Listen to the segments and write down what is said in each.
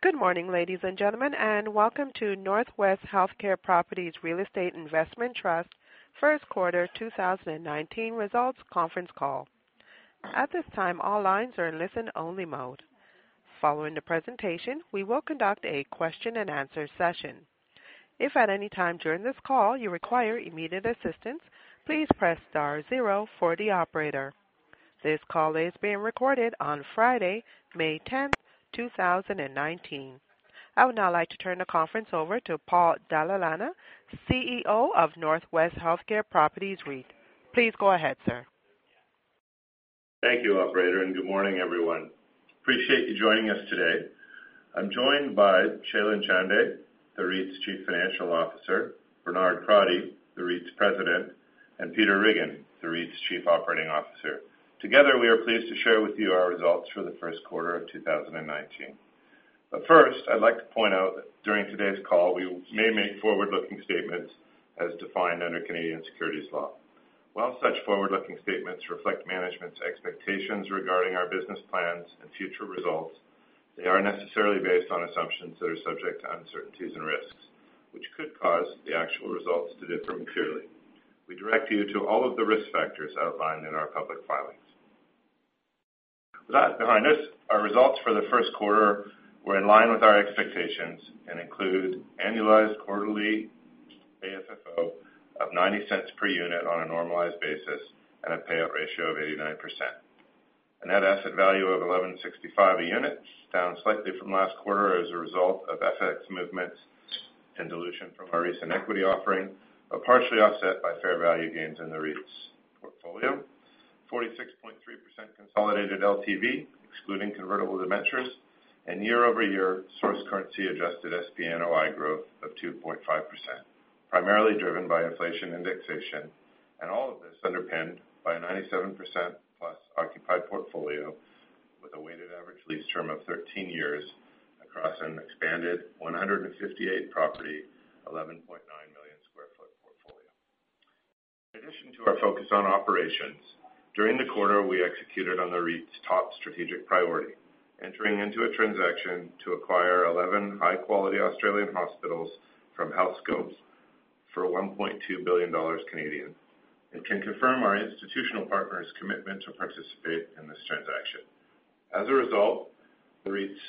Good morning, ladies and gentlemen, and welcome to NorthWest Healthcare Properties Real Estate Investment Trust first quarter 2019 results conference call. At this time, all lines are in listen-only mode. Following the presentation, we will conduct a question and answer session. If at any time during this call you require immediate assistance, please press star zero for the operator. This call is being recorded on Friday, May 10th, 2019. I would now like to turn the conference over to Paul Dalla Lana, CEO of NorthWest Healthcare Properties REIT. Please go ahead, sir. Thank you, operator, and good morning everyone. Appreciate you joining us today. I'm joined by Shailen Chande, the REIT's Chief Financial Officer, Bernard Crotty, the REIT's President, and Peter Riggin, the REIT's Chief Operating Officer. Together, we are pleased to share with you our results for the first quarter of 2019. First, I'd like to point out that during today's call, we may make forward-looking statements as defined under Canadian securities law. While such forward-looking statements reflect management's expectations regarding our business plans and future results, they are necessarily based on assumptions that are subject to uncertainties and risks, which could cause the actual results to differ materially. We direct you to all of the risk factors outlined in our public filings. With that behind us, our results for the first quarter were in line with our expectations and include annualized quarterly AFFO of 0.90 per unit on a normalized basis and a payout ratio of 89%. A net asset value of 11.65 a unit, down slightly from last quarter as a result of FX movements and dilution from our recent equity offering, but partially offset by fair value gains in the REIT's portfolio. 46.3% consolidated LTV, excluding convertible debentures, and year-over-year source currency-adjusted SPNOI growth of 2.5%, primarily driven by inflation indexation. All of this underpinned by a 97%+ occupied portfolio with a weighted average lease term of 13 years across an expanded 158 property, 11.9 million sq ft portfolio. In addition to our focus on operations, during the quarter, we executed on the REIT's top strategic priority, entering into a transaction to acquire 11 high-quality Australian hospitals from Healthscope for 1.2 billion Canadian dollars, and can confirm our institutional partner's commitment to participate in this transaction. As a result, the REIT's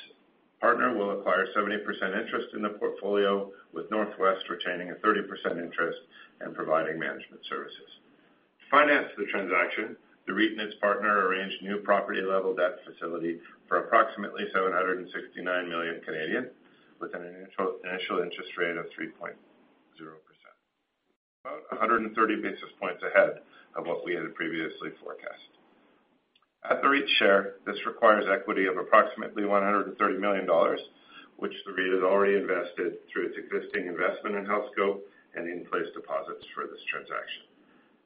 partner will acquire 70% interest in the portfolio, with NorthWest retaining a 30% interest and providing management services. To finance the transaction, the REIT and its partner arranged new property-level debt facility for approximately 769 million, with an initial interest rate of 3.0%. About 130 basis points ahead of what we had previously forecast. At the REIT's share, this requires equity of approximately 130 million dollars, which the REIT has already invested through its existing investment in Healthscope and in-place deposits for this transaction.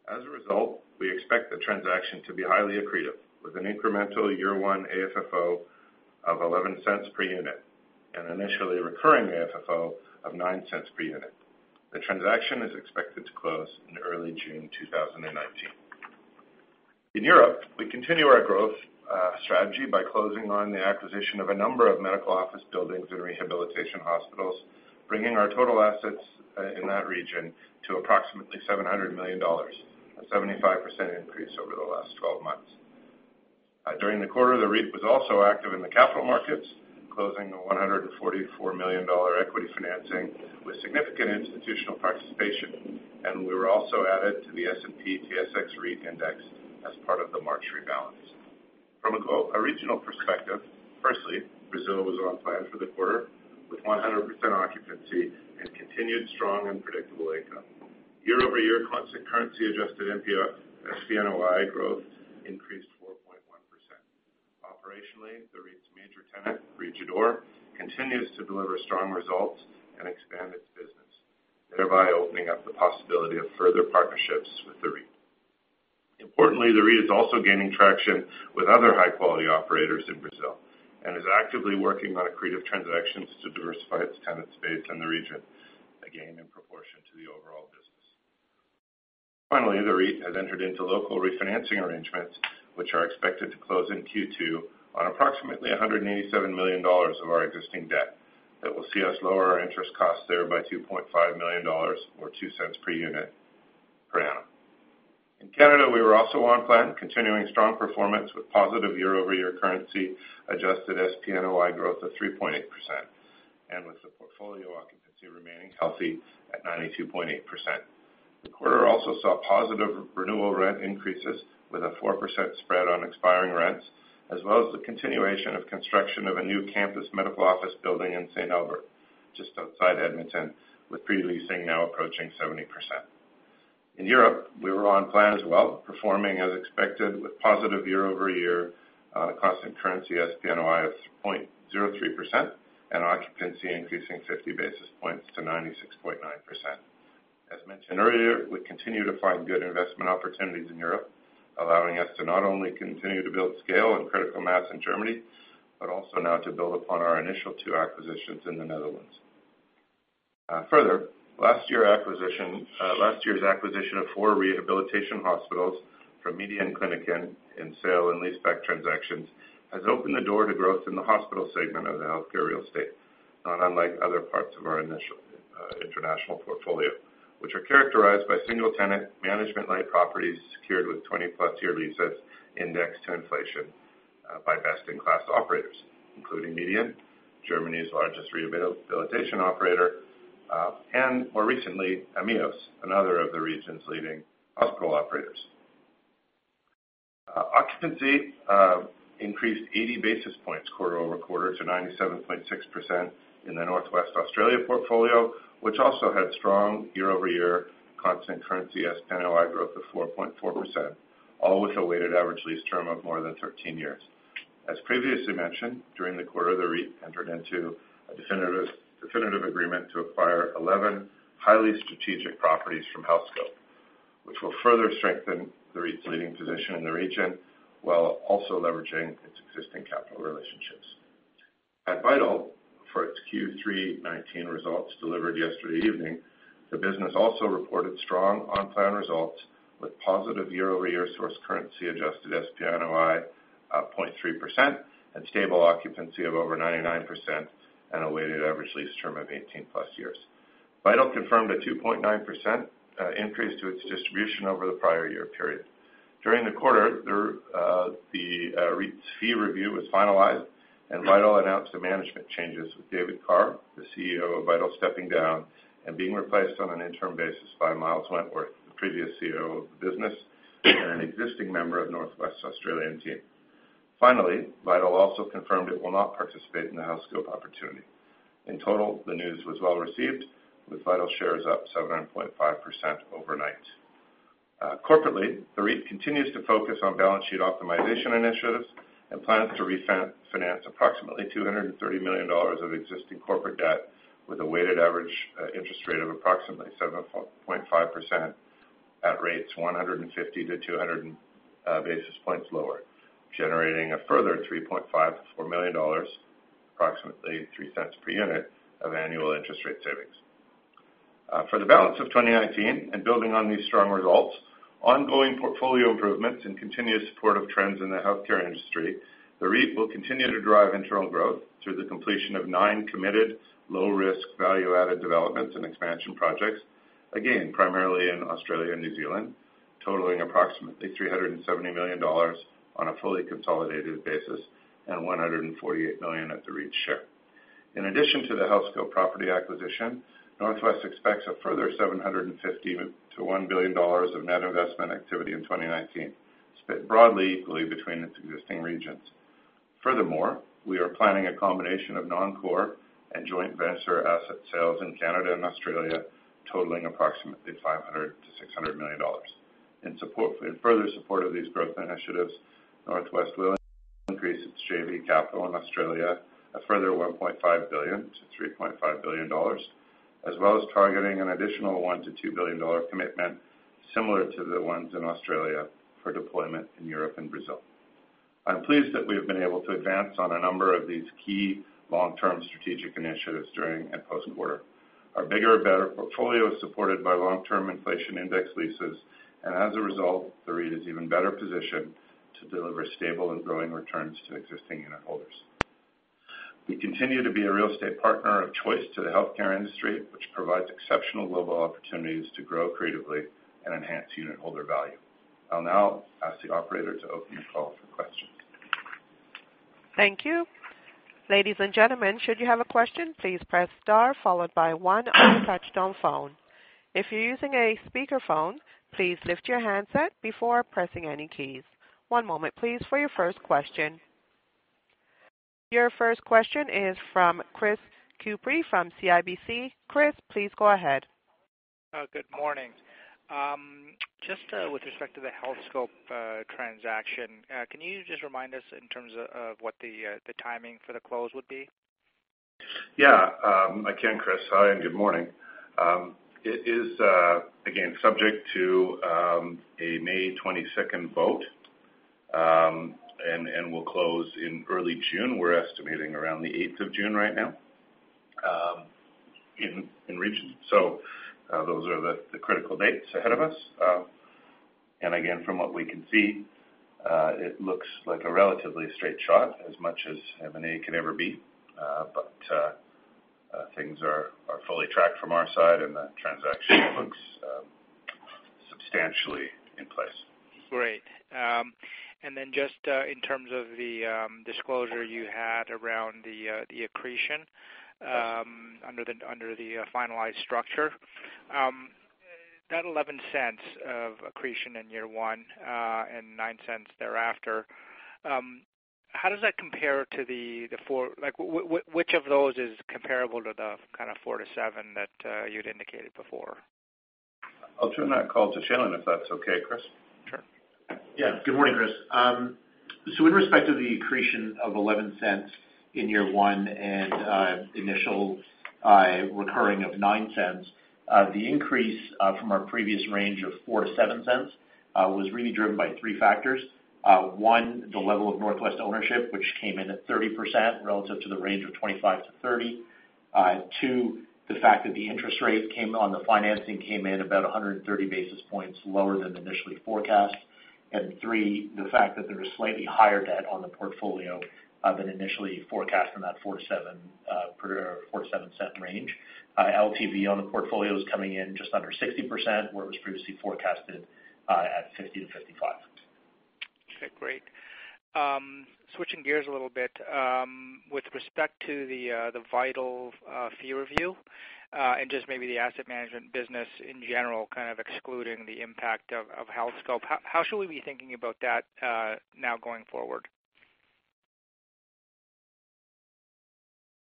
As a result, we expect the transaction to be highly accretive, with an incremental year 1 AFFO of 0.11 per unit and initially recurring AFFO of 0.09 per unit. The transaction is expected to close in early June 2019. In Europe, we continue our growth strategy by closing on the acquisition of a number of medical office buildings and rehabilitation hospitals, bringing our total assets in that region to approximately 700 million dollars, a 75% increase over the last 12 months. During the quarter, the REIT was also active in the capital markets, closing a 144 million dollar equity financing with significant institutional participation, and we were also added to the S&P/TSX Capped REIT Index as part of the March rebalance. From a regional perspective, firstly, Brazil was on plan for the quarter, with 100% occupancy and continued strong and predictable income. Year-over-year constant currency adjusted NPF SPNOI growth increased 4.1%. Operationally, the REIT's major tenant, Rede D'Or, continues to deliver strong results and expand its business, thereby opening up the possibility of further partnerships with the REIT. Importantly, the REIT is also gaining traction with other high-quality operators in Brazil and is actively working on accretive transactions to diversify its tenant space in the region, again, in proportion to the overall business. Finally, the REIT has entered into local refinancing arrangements, which are expected to close in Q2 on approximately 187 million dollars of our existing debt. That will see us lower our interest costs there by 2.5 million dollars, or 0.02 per unit per annum. In Canada, we were also on plan, continuing strong performance with positive year-over-year currency-adjusted SPNOI growth of 3.8%, and with the portfolio occupancy remaining healthy at 92.8%. The quarter also saw positive renewal rent increases with a 4% spread on expiring rents, as well as the continuation of construction of a new campus medical office building in St. Albert, just outside Edmonton, with pre-leasing now approaching 70%. In Europe, we were on plan as well, performing as expected with positive year-over-year constant currency SPNOI of 0.03% and occupancy increasing 50 basis points to 96.9%. As mentioned earlier, we continue to find good investment opportunities in Europe, allowing us to not only continue to build scale and critical mass in Germany, but also now to build upon our initial two acquisitions in the Netherlands. Further, last year's acquisition of four rehabilitation hospitals from MEDIAN Kliniken in sale and leaseback transactions, has opened the door to growth in the hospital segment of the healthcare real estate. Not unlike other parts of our international portfolio, which are characterized by single-tenant, management-light properties secured with 20-plus year leases indexed to inflation by best-in-class operators, including MEDIAN, Germany's largest rehabilitation operator, and more recently, AMEOS, another of the region's leading hospital operators. Occupancy increased 80 basis points quarter-over-quarter to 97.6% in the Northwest Australia portfolio, which also had strong year-over-year constant currency SPNOI growth of 4.4%, all with a weighted average lease term of more than 13 years. As previously mentioned, during the quarter, the REIT entered into a definitive agreement to acquire 11 highly strategic properties from Healthscope, which will further strengthen the REIT's leading position in the region while also leveraging its existing capital relationships. At Vital, for its Q3 2019 results delivered yesterday evening, the business also reported strong on-plan results with positive year-over-year source currency adjusted SPNOI of 0.3% and stable occupancy of over 99% and a weighted average lease term of 18-plus years. Vital confirmed a 2.9% increase to its distribution over the prior year period. During the quarter, the REIT's fee review was finalized, and Vital announced the management changes, with David Carr, the CEO of Vital, stepping down and being replaced on an interim basis by Miles Wentworth, the previous CEO of the business and an existing member of Northwest Australian team. Finally, Vital also confirmed it will not participate in the Healthscope opportunity. In total, the news was well-received, with Vital shares up 7.5% overnight. Corporately, the REIT continues to focus on balance sheet optimization initiatives and plans to refinance approximately 230 million dollars of existing corporate debt with a weighted average interest rate of approximately 7.5% at rates 150 to 200 basis points lower, generating a further 3.54 million dollars, approximately 0.03 per unit of annual interest rate savings. For the balance of 2019, and building on these strong results, ongoing portfolio improvements and continued supportive trends in the healthcare industry, the REIT will continue to drive internal growth through the completion of nine committed low-risk, value-added developments and expansion projects, again, primarily in Australia and New Zealand, totaling approximately 370 million dollars on a fully consolidated basis and 148 million at the REIT's share. In addition to the Healthscope property acquisition, Northwest expects a further 750 million to 1 billion dollars of net investment activity in 2019, split broadly equally between its existing regions. We are planning a combination of non-core and joint venture asset sales in Canada and Australia, totaling approximately 500 million to 600 million dollars. In further support of these growth initiatives, Northwest will increase its JV capital in Australia a further 1.5 billion to 3.5 billion dollars, as well as targeting an additional 1 billion to 2 billion dollar commitment similar to the ones in Australia for deployment in Europe and Brazil. I'm pleased that we've been able to advance on a number of these key long-term strategic initiatives during and post-quarter. Our bigger or better portfolio is supported by long-term inflation index leases. As a result, the REIT is even better positioned to deliver stable and growing returns to existing unitholders. We continue to be a real estate partner of choice to the healthcare industry, which provides exceptional global opportunities to grow creatively and enhance unitholder value. I'll now ask the operator to open the call for questions. Thank you. Ladies and gentlemen, should you have a question, please press star followed by one on your touchtone phone. If you're using a speakerphone, please lift your handset before pressing any keys. One moment please for your first question. Your first question is from Chris Couprie from CIBC. Chris, please go ahead. Good morning. Just with respect to the Healthscope transaction, can you just remind us in terms of what the timing for the close would be? Yeah, I can, Chris. Hi, and good morning. It is, again, subject to a May 22nd vote, and will close in early June. We're estimating around the 8th of June right now in region. Those are the critical dates ahead of us. Again, from what we can see, it looks like a relatively straight shot as much as M&A can ever be. Things are fully tracked from our side and the transaction looks substantially in place. Great. Just in terms of the disclosure you had around the accretion under the finalized structure. That 0.11 of accretion in year one, and 0.09 thereafter, how does that compare to the Which of those is comparable to the kind of 4 to 7 that you'd indicated before? I'll turn that call to Shailen Chande, if that's okay, Chris Couprie. Sure. Good morning, Chris Couprie. In respect of the accretion of 0.11 in year one and initial recurring of 0.09. The increase from our previous range of 0.04-0.07 was really driven by three factors. One, the level of Northwest Healthcare Properties REIT ownership, which came in at 30% relative to the range of 25%-30%. Two, the fact that the interest rate on the financing came in about 130 basis points lower than initially forecast. Three, the fact that there was slightly higher debt on the portfolio than initially forecast in that 0.04-0.07 range. LTV on the portfolio is coming in just under 60% where it was previously forecasted at 50%-55%. Switching gears a little bit, with respect to the Vital fee review, and just maybe the asset management business in general, excluding the impact of Healthscope, how should we be thinking about that now going forward?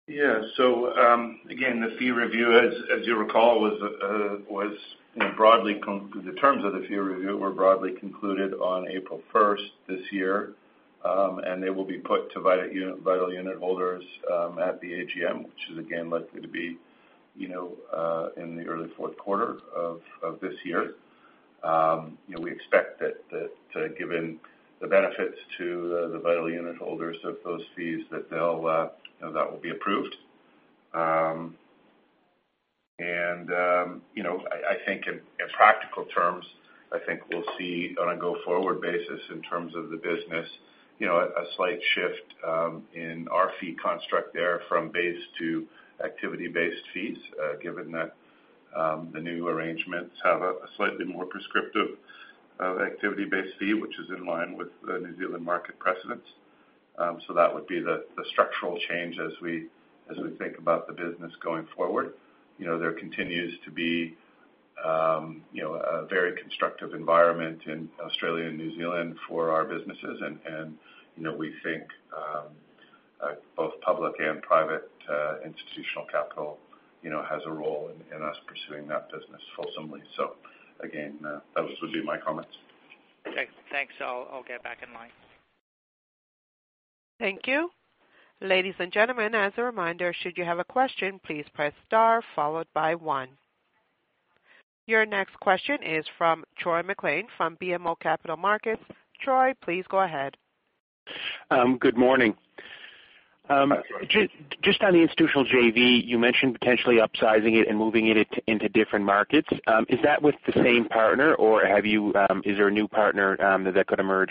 Again, the fee review, as you recall, the terms of the fee review were broadly concluded on April 1st this year. They will be put to Vital unitholders at the AGM, which is again, likely to be in the early fourth quarter of this year. We expect that given the benefits to the Vital unitholders of those fees, that will be approved. I think in practical terms, I think we'll see on a go-forward basis in terms of the business, a slight shift in our fee construct there from base to activity-based fees, given that the new arrangements have a slightly more prescriptive activity-based fee, which is in line with the New Zealand market precedents. That would be the structural change as we think about the business going forward. There continues to be a very constructive environment in Australia and New Zealand for our businesses. We think both public and private institutional capital has a role in us pursuing that business fulsomely. Again, those would be my comments. Okay, thanks. I'll get back in line. Thank you. Ladies and gentlemen, as a reminder, should you have a question, please press star followed by one. Your next question is from Troy MacLean from BMO Capital Markets. Troy, please go ahead. Good morning. Just on the institutional JV, you mentioned potentially upsizing it and moving it into different markets. Is that with the same partner, or is there a new partner that could emerge?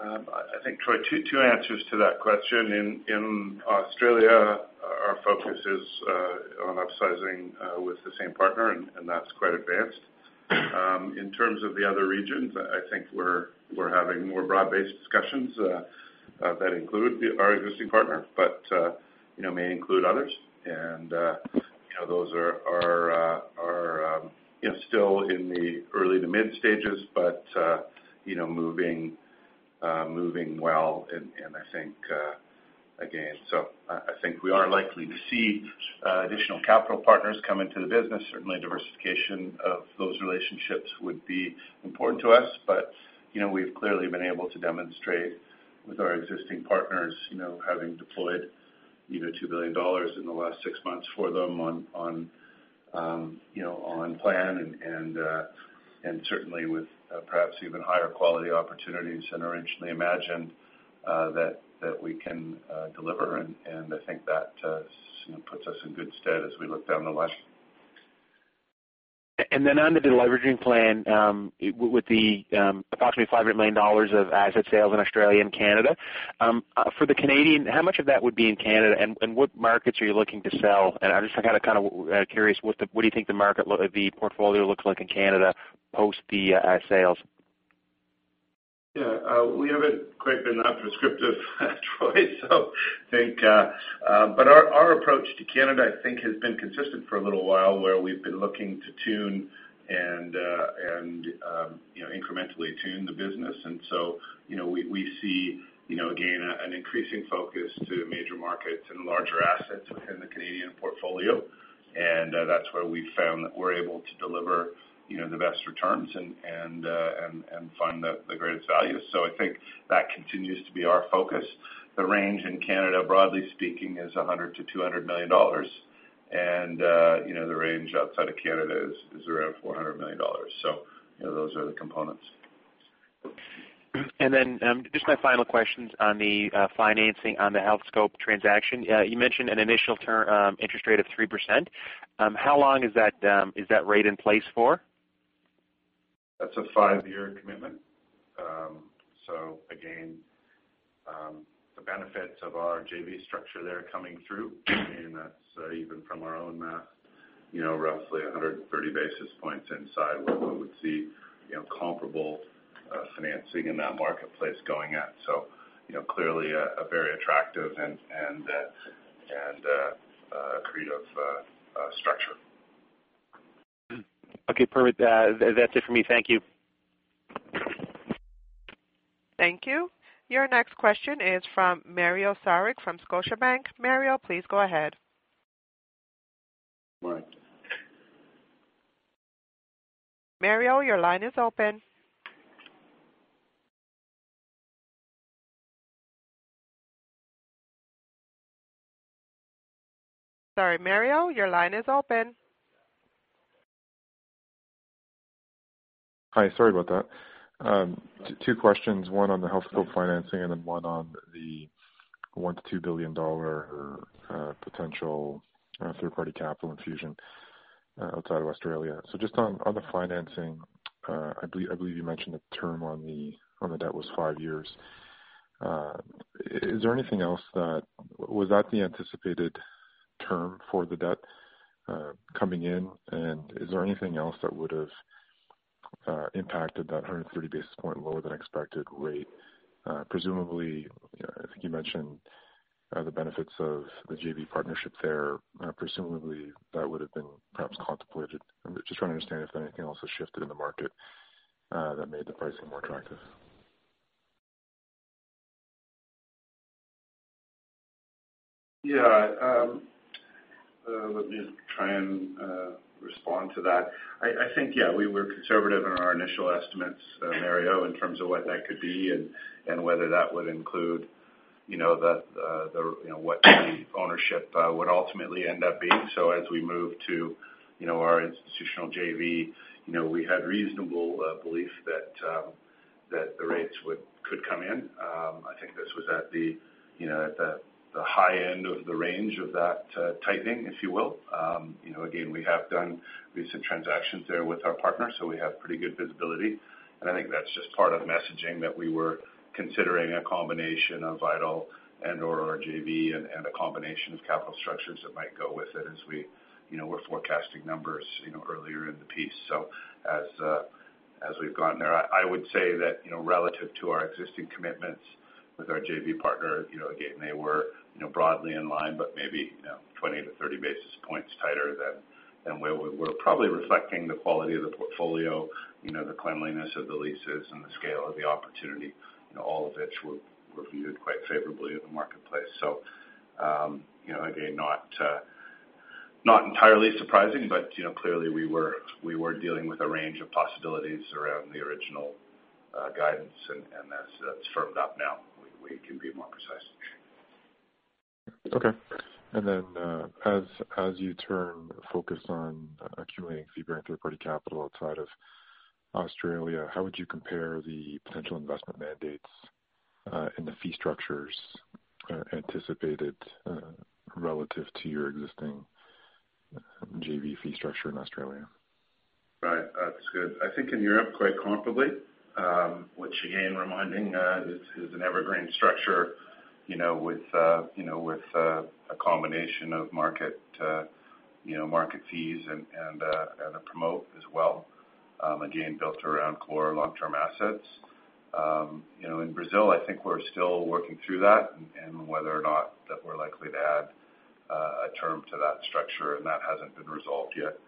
I think, Troy MacLean, two answers to that question. In Australia, our focus is on upsizing with the same partner, and that's quite advanced. In terms of the other regions, I think we're having more broad-based discussions that include our existing partner, but may include others. Those are still in the early to mid stages, but moving well. I think we are likely to see additional capital partners come into the business. Certainly, diversification of those relationships would be important to us. We've clearly been able to demonstrate with our existing partners, having deployed 2 billion dollars in the last six months for them on plan and certainly with perhaps even higher quality opportunities than originally imagined that we can deliver. I think that puts us in good stead as we look down the line. On the deleveraging plan with the approximately 500 million dollars of asset sales in Australia and Canada. For the Canadian, how much of that would be in Canada, and what markets are you looking to sell? I'm just curious, what do you think the portfolio looks like in Canada post the sales? Yeah. We haven't quite been that prescriptive, Troy MacLean. Our approach to Canada, I think, has been consistent for a little while, where we've been looking to incrementally tune the business. We see, again, an increasing focus to major markets and larger assets within the Canadian portfolio. That's where we've found that we're able to deliver the best returns and find the greatest value. I think that continues to be our focus. The range in Canada, broadly speaking, is 100 million-200 million dollars. The range outside of Canada is around 400 million dollars. Those are the components. Just my final questions on the financing on the Healthscope transaction. You mentioned an initial interest rate of 3%. How long is that rate in place for? That's a five-year commitment. Again, the benefits of our JV structure there coming through, and that's even from our own math, roughly 130 basis points inside what we would see comparable financing in that marketplace going at. Clearly a very attractive and creative structure. Okay, perfect. That's it for me. Thank you. Thank you. Your next question is from Mario Saric from Scotiabank. Mario, please go ahead. Mario. Mario, your line is open. Sorry, Mario, your line is open. Hi, sorry about that. Two questions, one on the Healthscope financing and then one on the 1 billion-2 billion dollar potential third-party capital infusion outside of Australia. Just on the financing, I believe you mentioned the term on the debt was five years. Was that the anticipated term for the debt coming in, and is there anything else that would have impacted that 130 basis point lower than expected rate? I think you mentioned the benefits of the JV partnership there. Presumably, that would have been perhaps contemplated. I'm just trying to understand if anything else has shifted in the market that made the pricing more attractive. Yeah. Let me try and respond to that. I think, yeah, we were conservative in our initial estimates, Mario, in terms of what that could be and whether that would include what the ownership would ultimately end up being. As we moved to our institutional JV, we had reasonable belief that the rates could come in. I think this was at the high end of the range of that tightening, if you will. We have done recent transactions there with our partners, so we have pretty good visibility, and I think that's just part of the messaging that we were considering a combination of Vital and/or our JV and a combination of capital structures that might go with it as we were forecasting numbers earlier in the piece. As we've gone there, I would say that relative to our existing commitments with our JV partner, again, they were broadly in line, but maybe 20 to 30 basis points tighter than where we were probably reflecting the quality of the portfolio, the cleanliness of the leases, and the scale of the opportunity. All of which were viewed quite favorably in the marketplace. Not entirely surprising, but clearly we were dealing with a range of possibilities around the original guidance, and that's firmed up now. We can be more precise. Okay. Then as you turn focus on accumulating fee-bearing third-party capital outside of Australia, how would you compare the potential investment mandates in the fee structures anticipated relative to your existing JV fee structure in Australia? Right. That's good. I think in Europe, quite comfortably. Again, reminding this is an evergreen structure with a combination of market fees and a promote as well, again, built around core long-term assets. In Brazil, I think we're still working through that and whether or not that we're likely to add a term to that structure, and that hasn't been resolved yet,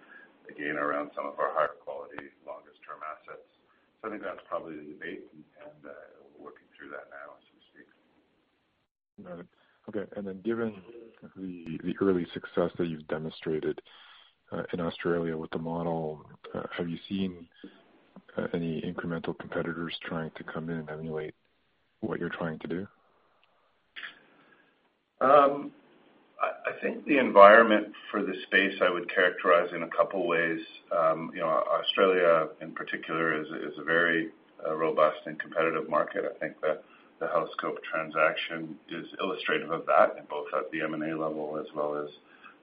again, around some of our higher quality, longest term assets. I think that's probably the debate, and we're working through that now, so to speak. Got it. Okay. Given the early success that you've demonstrated in Australia with the model, have you seen any incremental competitors trying to come in and emulate what you're trying to do? I think the environment for the space I would characterize in a couple ways. Australia in particular is a very robust and competitive market. I think the Healthscope transaction is illustrative of that, both at the M&A level as well as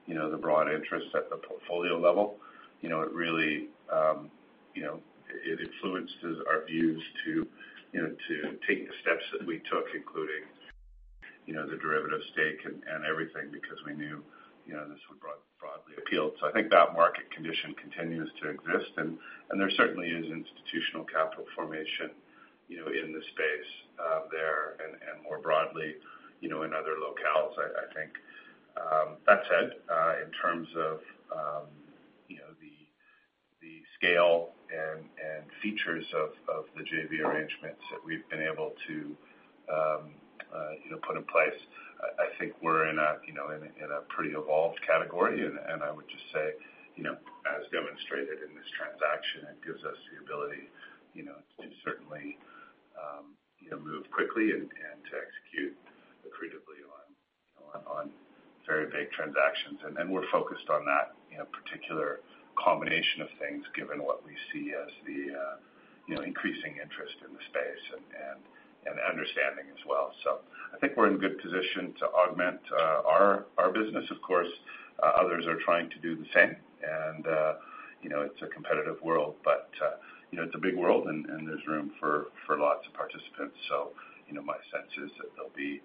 the broad interest at the portfolio level. It influences our views to take the steps that we took, including the derivative stake and everything, because we knew this would broadly appeal. I think that market condition continues to exist, and there certainly is institutional capital formation in the space there and more broadly in other locales, I think. That said, in terms of the scale and features of the JV arrangements that we've been able to put in place, I think we're in a pretty evolved category, and I would just say, as demonstrated in this transaction, it gives us the ability to certainly move quickly and to execute accretively on very big transactions. We're focused on that particular combination of things, given what we see as the increasing interest in the space and understanding as well. I think we're in good position to augment our business, of course. Others are trying to do the same, and it's a competitive world, but it's a big world, and there's room for lots of participants. My sense is that there'll be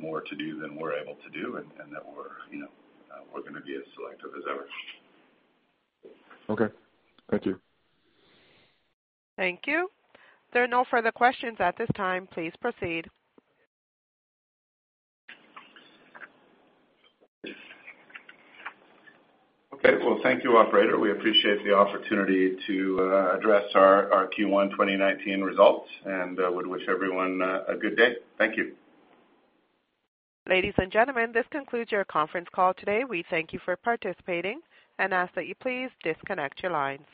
more to do than we're able to do and that we're going to be as selective as ever. Okay. Thank you. Thank you. There are no further questions at this time. Please proceed. Okay, well, thank you, operator. We appreciate the opportunity to address our Q1 2019 results and would wish everyone a good day. Thank you. Ladies and gentlemen, this concludes your conference call today. We thank you for participating and ask that you please disconnect your lines.